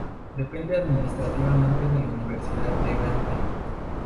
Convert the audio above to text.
Depende administrativamente de la Universidad de Gante.